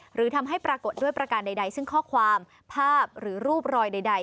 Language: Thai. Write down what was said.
หรือทำให้ปรากฏด้วยประการใดซึ่งข้อความภาพหรือรูปรอยใด